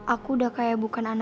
aku udah kayak bukan anak